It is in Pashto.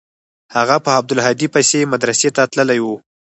هغه په عبدالهادي پسې مدرسې ته تللى و.